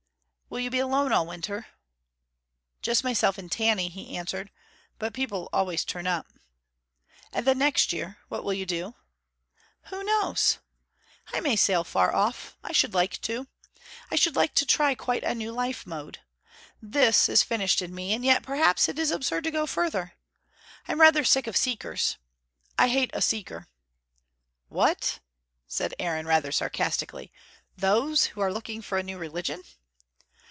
"Will you be alone all winter?" "Just myself and Tanny," he answered. "But people always turn up." "And then next year, what will you do?" "Who knows? I may sail far off. I should like to. I should like to try quite a new life mode. This is finished in me and yet perhaps it is absurd to go further. I'm rather sick of seekers. I hate a seeker." "What," said Aaron rather sarcastically "those who are looking for a new religion?"